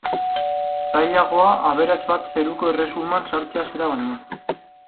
Zailagoa aberats bat zeruko erresuman sartzea zera baino.